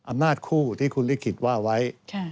อำนาจคู่ที่คุณลิขิตว่าไว้